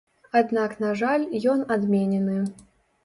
Аднак, на жаль, ён адменены.